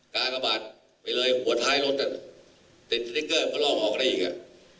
กากบาทไปเลยหัวท้ายรถอ่ะติดสติ๊กเกอร์มาลอกออกได้อีกอ่ะ